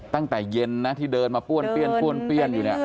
ตั้งแต่เย็นนะที่เดินมาป้วนเปี้ยนอยู่เนี่ย